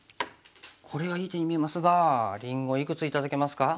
これはいい手に見えますがりんごいくつ頂けますか？